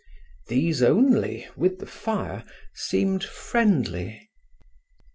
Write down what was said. These only, with the fire, seemed friendly.